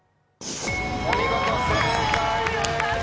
お見事正解です。